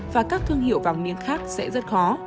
và các thương hiệu vàng miếng khác sẽ rất khó